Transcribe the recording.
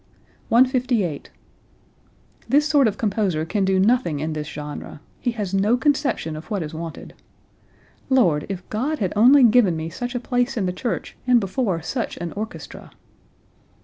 158. "This sort of composer can do nothing in this genre. He has no conception of what is wanted. Lord! if God had only given me such a place in the church and before such an orchestra!"